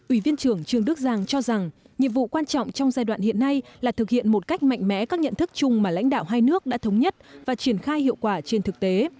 ủy viên trưởng trường đức giang cho rằng nhiệm vụ quan trọng trong giai đoạn hiện nay là thực hiện một cách mạnh mẽ các nhận thức chung mà lãnh đạo hai nước đã thống nhất và triển khai hiệu quả trên thực tế